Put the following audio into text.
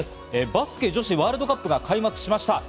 バスケ女子ワールドカップが開幕しました。